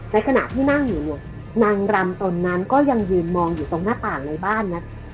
ขณะที่นั่งอยู่เนี่ยนางรำตนนั้นก็ยังยืนมองอยู่ตรงหน้าต่างในบ้านนะ